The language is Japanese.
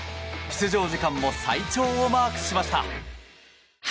出場時間も最長をマークしました。